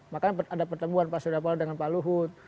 makanya ada pertemuan pak surya palo dengan pak luhut